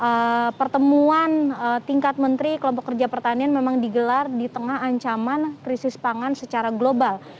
karena memang saat ini pertemuan tingkat menteri kelompok kerja pertanian memang digelar di tengah ancaman krisis pangan secara global